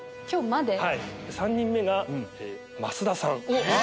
３人目が増田さん。